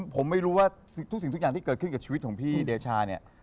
ผมไม่รู้ว่าทุกสิ่งทุกอย่างที่เกิดขึ้นกับชีวิตของพี่เดชาเนี่ย